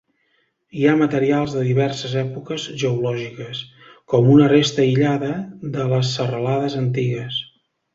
Hi ha materials de diverses èpoques geològiques, com una resta aïllada de les serralades antigues.